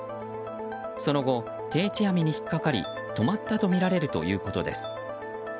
その後、定置網に引っかかり止まったとみられるということです。